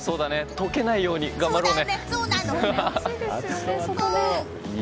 溶けないように頑張ろうね。